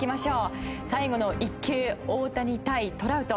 最後の１球大谷対トラウト。